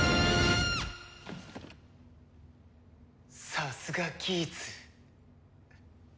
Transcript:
さすがギーツ。